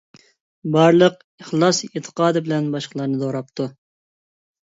بارلىق ئىخلاس - ئېتىقادى بىلەن باشقىلارنى دوراپتۇ.